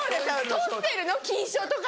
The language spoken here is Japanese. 取ってるの金賞とか。